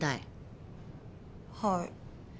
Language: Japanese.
はい。